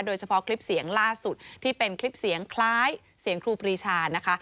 โดยเฉพาะคลิปเสียงล่าสุดที่เป็นคลิปเสียงคล้ายเสียงครูปรีชานะคะ